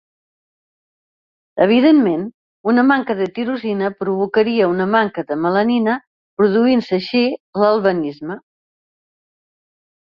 Evidentment, una manca de tirosina provocaria una manca de melanina, produint-se així l'albinisme.